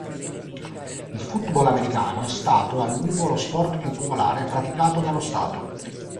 Il football americano è stato a lungo lo sport più popolare praticato nello Stato.